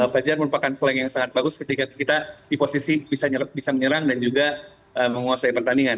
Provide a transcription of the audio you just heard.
fajar merupakan flank yang sangat bagus ketika kita di posisi bisa menyerang dan juga menguasai pertandingan